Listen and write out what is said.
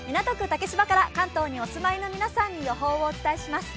竹芝から関東にお住まいの皆さんに天気をお伝えします。